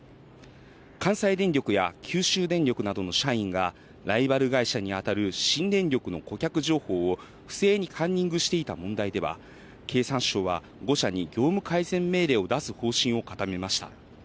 関西電力や九州電力などの社員が、ライバル会社にあたる新電力の顧客情報を不正にカンニングしていた問題では、経産省は５社に業務改善命令を出す方針を固めました。